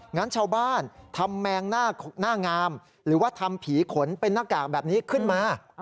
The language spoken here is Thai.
งั้นชาวบ้านทำแมงหน้างามหรือว่าทำผีขนเป็นหน้ากากแบบนี้ขึ้นมา